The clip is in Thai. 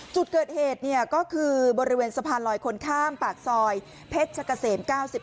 จุดเกิดเหตุก็คือบริเวณสะพานลอยคนข้ามปากซอยเพชรกะเสม๙๑